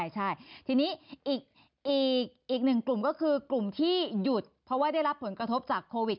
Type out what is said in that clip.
ใช่ทีนี้อีกหนึ่งกลุ่มก็คือกลุ่มที่หยุดเพราะว่าได้รับผลกระทบจากโควิด